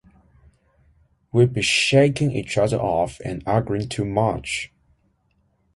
We'd be shaking each other off and arguing too much.